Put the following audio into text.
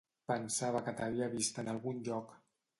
Pensava que t'havia vist en algun lloc.